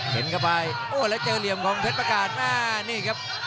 เห็นเข้าไปโอ้แล้วเจอเหลี่ยมของเพชรประกาศหน้านี่ครับ